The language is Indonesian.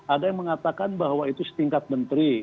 ada yang mengatakan bahwa itu setingkat menteri